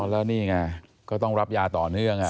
แล้วนี่ไงก็ต้องรับยาต่อเนื่อง